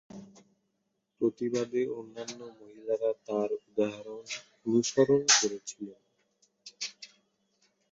প্রতিবাদে অন্যান্য মহিলারা তার উদাহরণ অনুসরণ করেছিলেন।